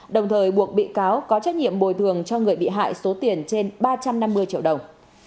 đồng thời buộc bị cáo có trách nhiệm bồi thường cho người bị hại số tiền trên ba trăm năm mươi triệu đồng